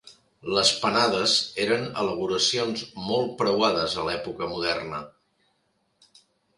Les panades eren elaboracions molt preuades a l’època moderna.